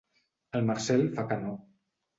El Marcel fa que no.